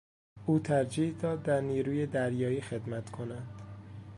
او ترجیح داد در نیروی دریایی خدمت کند.